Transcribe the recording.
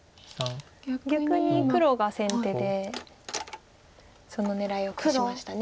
逆に黒が先手でその狙いを消しました。